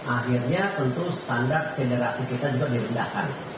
akhirnya tentu standar federasi kita juga direndahkan